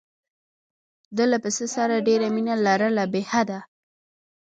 ده له پسه سره ډېره مینه لرله بې حده.